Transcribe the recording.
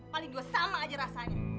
paling gue sama aja rasanya